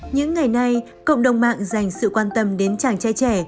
những ngày này cộng đồng mạng dành sự quan tâm đến chàng trai trẻ